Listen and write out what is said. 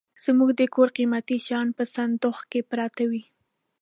زموږ د کور قيمتي شيان په صندوخ کي پراته وي.